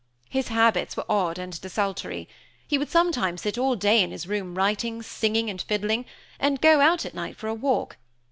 His habits were odd and desultory. He would sometimes sit all day in his room writing, singing, and fiddling, and go out at night for a walk.